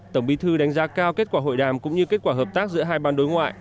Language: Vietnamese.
tổng bí thư đánh giá cao kết quả hội đàm cũng như kết quả hợp tác giữa hai ban đối ngoại